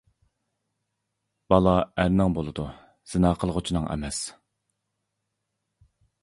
بالا ئەرنىڭ بولىدۇ، زىنا قىلغۇچىنىڭ ئەمەس!